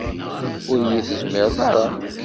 Ur yi-tezmireḍ ara